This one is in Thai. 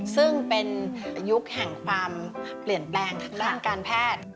ซึ่งเป็นยุคแห่งความเปลี่ยนแปลงทางด้านการแพทย์